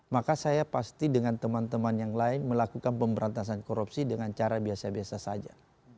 maka saya pasti dengan teman teman yang lain melakukan pemberantasan korupsi dengan cara biasa biasa saja